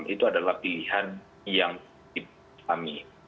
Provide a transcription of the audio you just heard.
itu adalah pilihan yang dipahami